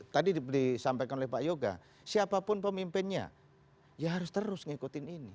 tadi disampaikan oleh pak yoga siapapun pemimpinnya ya harus terus ngikutin ini